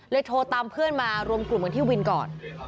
โทรตามเพื่อนมารวมกลุ่มกันที่วินก่อน